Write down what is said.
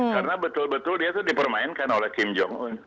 karena betul betul dia itu dipermainkan oleh kim jong un